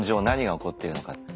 何が起こってるのか。